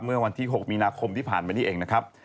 เมื่อวันที่๖มีนาคมที่ผ่านมานี่เองนะครับ